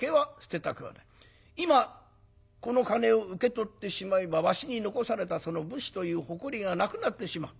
今この金を受け取ってしまえばわしに残されたその武士という誇りがなくなってしまう。